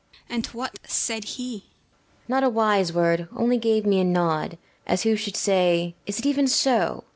BELLAMIRA. And what said he? PILIA BORZA. Not a wise word; only gave me a nod, as who should say, "Is it even so?"